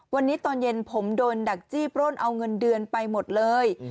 วันนี้ตอนเย็นผมโดนดักจี้ปล้นเอาเงินเดือนไปหมดเลย